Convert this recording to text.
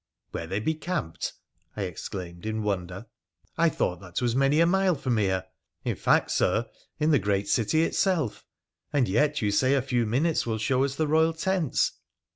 'Where they be camped?' I exclaimed in wonder. 'I 248 WONDERFUL ADVENTURES OF thought that was many a mile from here — in fact, Sir, in tha great city itself, and yet you say a few minutes will show us the Royal tents.'